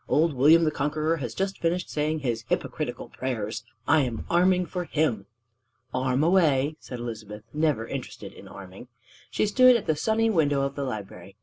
Old William the Conqueror has just finished saying his hypocritical prayers. I am arming for him!" "Arm away!" said Elizabeth, never interested in arming. She stood at the sunny window of the library.